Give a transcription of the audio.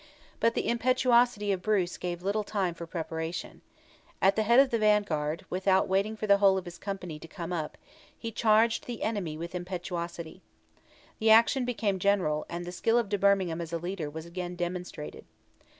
But the impetuosity of Bruce gave little time for preparation. At the head of the vanguard, without waiting for the whole of his company to come up, he charged the enemy with impetuosity. The action became general, and the skill of de Bermingham as a leader was again demonstrated.